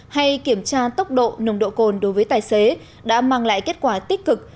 hay kiểm tra tốc độ nồng độ cồn đối với tài xế đã mang lại kết quả tích cực